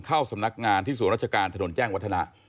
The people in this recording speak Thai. เข้าสำนักงานที่สวนราชการถนนแจ้งวัฒนะ